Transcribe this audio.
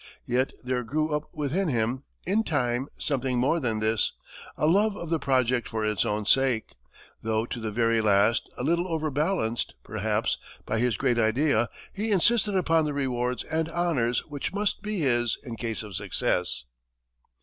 Yet there grew up within him, in time, something more than this a love of the project for its own sake though to the very last, a little overbalanced, perhaps, by his great idea, he insisted upon the rewards and honors which must be his in case of success.